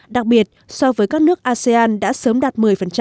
đặc biệt so với các nước asean đã sớm đạt một mươi